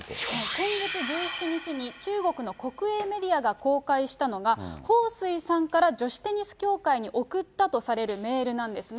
今月１７日に中国の国営メディアが公開したのが、彭帥さんから女子テニス協会に送ったとされるメールなんですね。